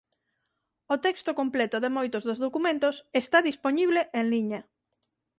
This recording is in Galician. O texto completo de moitos dos documentos está dispoñible en liña.